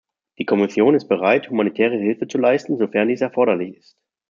Die Kommission ist bereit, humanitäre Hilfe zu leisten, sofern dies erforderlich ist.